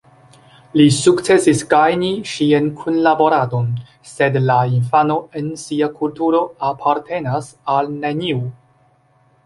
Li sukcesis gajni ŝian kunlaboradon, sed la infano en sia kulturo apartenas al neniu.